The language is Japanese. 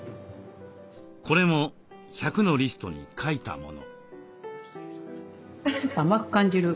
これも１００のリストに書いたもの。